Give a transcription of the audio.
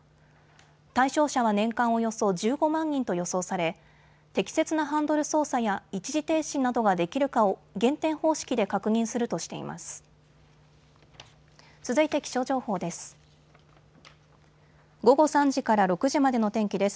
対象者は年間およそ１５万人と予想され適切なハンドル操作や一時停止などができるかを減点方式で確認するとしています。